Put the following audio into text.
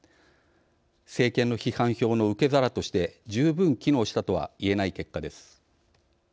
政権の批判票の受け皿として十分機能したとは言えない結果です。